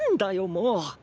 もう。